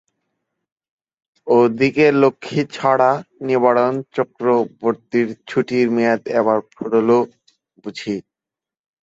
ও দিকে লক্ষ্মীছাড়া নিবারণ চক্রবর্তীর ছুটির মেয়াদ এবার ফুরোল বুঝি।